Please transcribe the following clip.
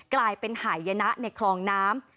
กลายเป็นหายนะในคลองน้ำ